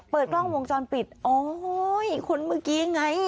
กล้องวงจรปิดโอ๊ยคนเมื่อกี้ไง